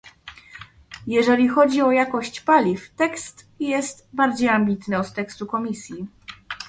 Jeżeli chodzi o jakość paliw, tekst jest bardziej ambitny od tekstu Komisji